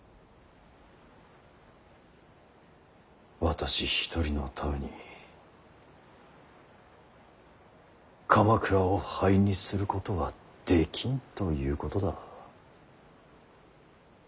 私一人のために鎌倉を灰にすることはできんということだ。